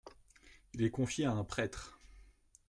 Il est confié à un prêtre.